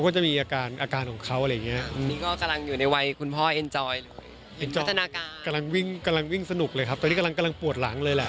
กำลังวิ่งสนุกเลยครับตอนนี้กำลังปวดหลังเลยแหละ